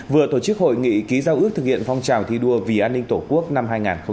vừa tổ chức hội nghị ký giao ước thực hiện phong trào thi đua vì an ninh tổ quốc năm hai nghìn hai mươi bốn